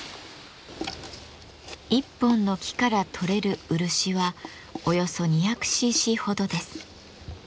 一本の木からとれる漆はおよそ２００ｃｃほどです。